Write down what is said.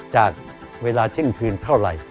จากเวลาเที่ยงคืนเท่าไหร่